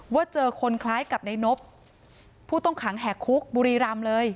ว่าเจอคนคล้ายกับในนบผู้ต้องขังแหกคุกบุรีรำเลย